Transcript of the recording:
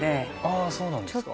あそうなんですか。